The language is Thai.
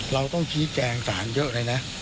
เราต้องชี้แจงสารเยอะเลยนะ